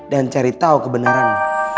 dan cari tau kebenaran